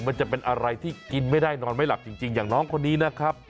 มันจะเป็นอะไรที่กินไม่ได้นอนไม่หลับจริงอย่างน้องคนนี้นะครับ